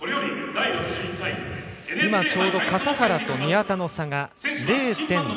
今、ちょうど笠原と宮田の差が０．７３３。